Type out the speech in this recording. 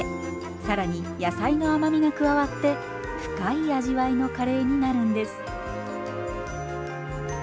更に野菜の甘みが加わって深い味わいのカレーになるんです。